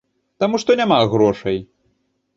Таму што няма грошай.